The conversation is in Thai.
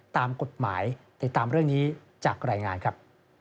ตามกฎหมายติดตามเรื่องนี้จากรายงานครับ